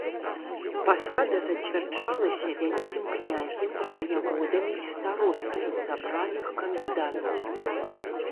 Пасада зацвярджалася вялікім князем, ваяводамі і старостамі з абраных кандыдатаў.